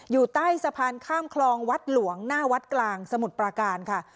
อยู่ใต้สะพานข้ามคลองวัดหลวงหน้าวัดกลางสมุทรปราการค่ะ